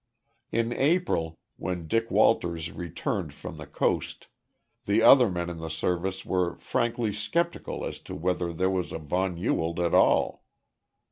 In April, when Dick Walters returned from the Coast, the other men in the Service were frankly skeptical as to whether there was a von Ewald at all.